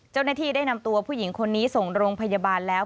เจ้าหน้าที่ได้นำตัวผู้หญิงคนนี้ส่งโรงพยาบาลแล้ว